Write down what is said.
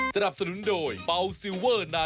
ขอบคุณมากครับค่ะ